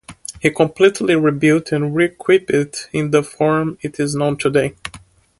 He completely rebuilt and re-equipped it in the form it is known today.